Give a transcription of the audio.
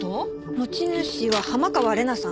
持ち主は浜川玲奈さん。